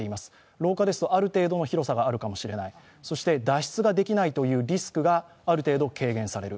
廊下ですとある程度の広さがあるかもしれない脱出ができないというリスクがある程度軽減される。